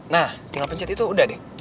nah tinggal pencet itu udah deh